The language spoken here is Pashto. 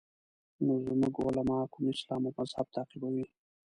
نو زموږ علما کوم اسلام او مذهب تعقیبوي.